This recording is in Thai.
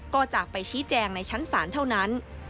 ก็จากไปชี้แจงในชั้นศาลเท่านั้น